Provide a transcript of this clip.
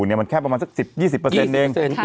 อันเนี่ยมันแค่ประมาณสักหนึ่ง๒๐เอง